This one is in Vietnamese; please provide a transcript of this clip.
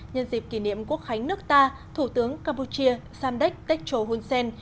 nhân dịp kỷ niệm quốc khánh nước ta thủ tướng campuchia samdech techo hunsen